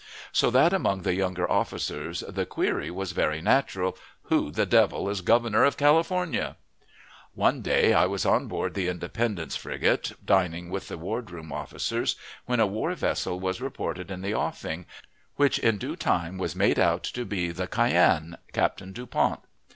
So that among the younger officers the query was very natural, "Who the devil is Governor of California?" One day I was on board the Independence frigate, dining with the ward room officers, when a war vessel was reported in the offing, which in due time was made out to be the Cyane, Captain DuPont.